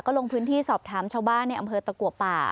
ลงพื้นที่สอบถามชาวบ้านในอำเภอตะกัวป่า